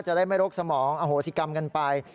จะได้ไม่รกสมองอโหสิกรรมกันไป